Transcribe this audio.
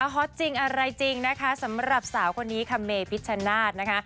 ฮอตจริงอะไรจริงนะคะสำหรับสาวคนนี้ค่ะเมพิชชนาธิ์นะคะ